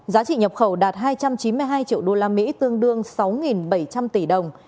giá trị nhập khẩu đạt hai trăm chín mươi hai triệu đô la mỹ tương đương sáu bảy trăm linh tỷ đồng